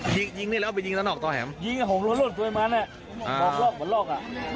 ยิงที่นี่แล้วไปยิงตรานอกตอแหวมยิงหน้าของนับเริ่มเนี้ย